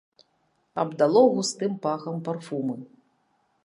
Абдало густым пахам парфумы.